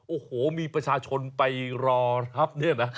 โอ้โหมีประชาชนไปรอรับเนี่ยนะ